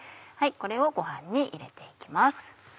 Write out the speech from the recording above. これをご飯に入れて行きます。